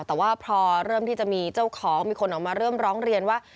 แต่ว่าพอเริ่มที่จะมีเจ้าของมีคนออกมาเริ่มร้องเรียนว่า